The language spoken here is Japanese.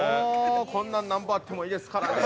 もう、こんなん何ぼあってもいいですからね。